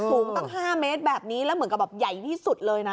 สูงตั้ง๕เมตรแบบนี้แล้วเหมือนกับแบบใหญ่ที่สุดเลยนะ